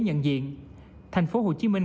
nhận diện thành phố hồ chí minh